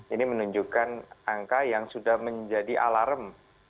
ini menunjukkan angka yang sudah menjadi alarm